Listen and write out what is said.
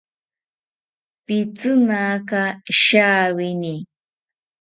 Pitzinaka shawini